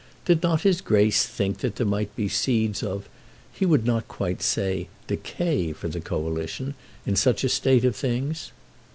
Did not his Grace think that there might be seeds of, he would not quite say decay for the Coalition, in such a state of things?